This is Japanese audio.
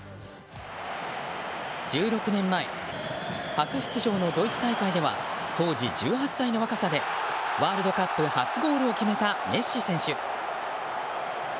１６年前初出場のドイツ大会では当時１８歳の若さでワールドカップ初ゴールを決めたメッシ選手。